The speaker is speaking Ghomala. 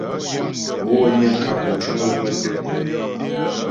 Ó wə́ niŋ kap ô cʉm o pə́ tə́ bya.